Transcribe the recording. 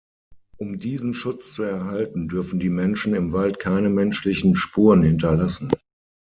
Um diesen Schutz zu erhalten dürfen die Menschen im Wald keine menschlichen Spuren hinterlassen.